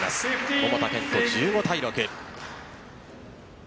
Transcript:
桃田賢斗、１５対６。